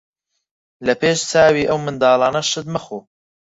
لە پێش چاوی ئەو منداڵانە شت مەخۆ.